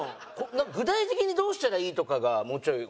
具体的にどうしたらいいとかがもうちょい欲しい。